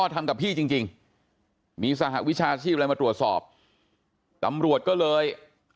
ทำกับพี่จริงมีสหวิชาชีพอะไรมาตรวจสอบตำรวจก็เลย